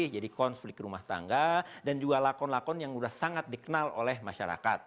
jadi konflik rumah tangga dan juga lakon lakon yang sudah sangat dikenal oleh masyarakat